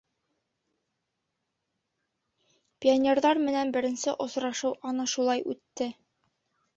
Пионерҙар менән беренсе осрашыу ана шулай үтте.